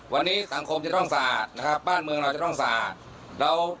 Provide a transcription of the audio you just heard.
วันนี้สังคมจะต้องสะอาดนะครับบ้านเมืองเราจะต้องสะอาดแล้ว